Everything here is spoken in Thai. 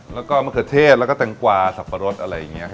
แล้วก็มะเขือเทศแล้วก็แตงกวาสับปะรดอะไรอย่างนี้